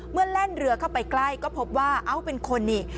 แล่นเรือเข้าไปใกล้ก็พบว่าเอ้าเป็นคนนี่